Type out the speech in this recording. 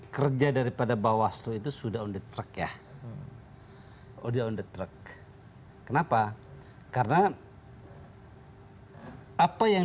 kerja daripada bawaslu itu sudah on the track ya oh dia on the track kenapa karena hai apa yang